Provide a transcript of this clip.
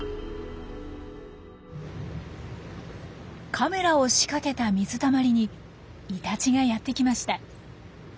カメラを仕掛けた水たまりにイタチがやって来ました。